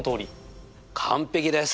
完璧です！